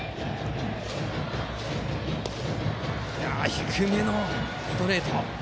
低めのストレート！